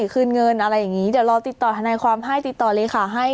คืนเงินอะไรอย่างนี้เดี๋ยวรอติดต่อทนายความให้ติดต่อเลขาให้